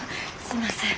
すいません。